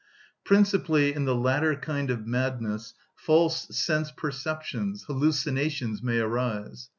Principally in the latter kind of madness false sense‐perceptions, hallucinations, may arise.